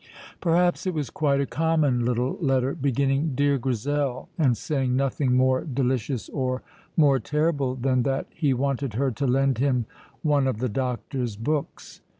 Perhaps it was quite a common little letter, beginning "Dear Grizel," and saying nothing more delicious or more terrible than that he wanted her to lend him one of the doctor's books.